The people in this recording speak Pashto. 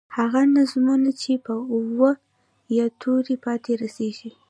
هغه نظمونه چې په واو، یا تورو پای ته رسیږي.